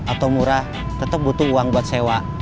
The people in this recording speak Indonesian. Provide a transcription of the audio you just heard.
atau murah tetap butuh uang buat sewa